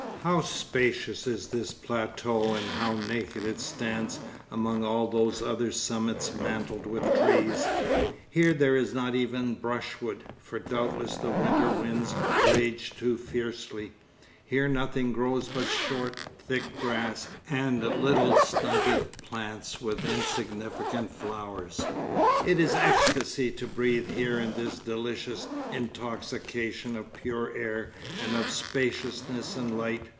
How spacious is this plateau, and how naked it stands among all those other summits mantled with trees. Here there is not even brushwood, for doubtless the winter winds rage too fiercely; here nothing grows but short, thick grass and little stunted plants with insignificant flowers. It is ecstasy to breathe here in this delicious intoxication of pure air and of spaciousness and light.